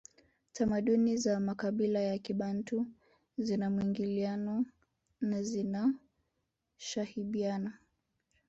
Tamaduni za makabila ya kibantu zina mwingiliano na zinashabihiana